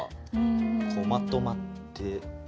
こうまとまってて。